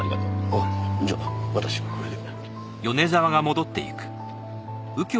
あっじゃあ私はこれで。